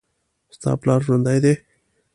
ستا پلار ژوندي دي